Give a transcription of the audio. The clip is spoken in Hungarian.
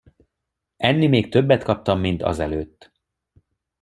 Enni még többet kaptam, mint azelőtt.